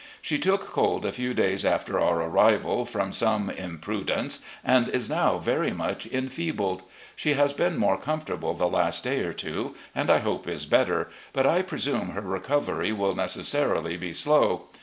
She took cold a few days after our arrival, from some impru dence, and is now very much enfeebled. She has been more comfortable the last day or two, and I hope is better, but I presume her recovery will necessarily be slow.